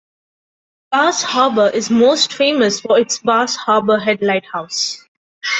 Bass Harbor is most famous for its Bass Harbor Head Lighthouse.